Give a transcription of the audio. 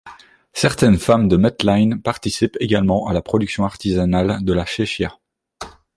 Certaines femmes de Metline participent également à la production artisanale de la chéchia.